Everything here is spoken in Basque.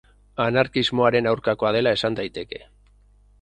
Anarkismoaren aurkakoa dela esan daiteke.